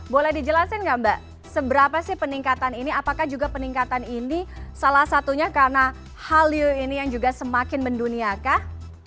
boleh dijelaskan enggak mbak seberapa sih peningkatan ini apakah juga peningkatan ini salah satunya karena hal ini yang juga semakin mendunia kah